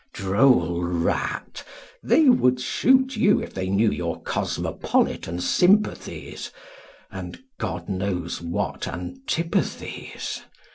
Droll rat, they would shoot you if they knew Your cosmopolitan sympathies (And God knows what antipathies).